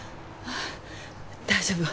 ああ大丈夫。